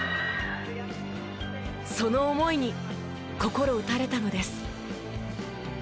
その思いに心打たれたのです。